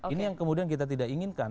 ini yang kemudian kita tidak inginkan